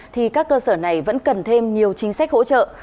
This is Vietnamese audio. thì các cơ sở này vẫn cần thêm nhiều chính sách hỗ trợ